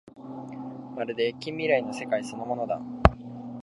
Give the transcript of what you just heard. まるで近未来の世界そのものだ